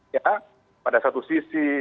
ya pada satu sisi